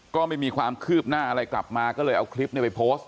ก็ไม่มีความคืบหน้าอะไรกลับมาก็เลยเอาคลิปไปโพสต์